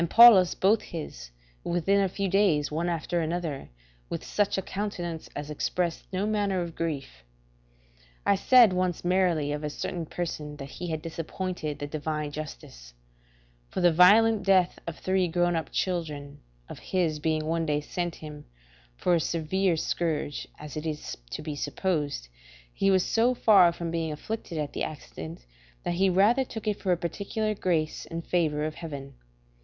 Paulus both his, within a few days one after another, with such a countenance as expressed no manner of grief. I said once merrily of a certain person, that he had disappointed the divine justice; for the violent death of three grown up children of his being one day sent him, for a severe scourge, as it is to be supposed, he was so far from being afflicted at the accident, that he rather took it for a particular grace and favour of heaven.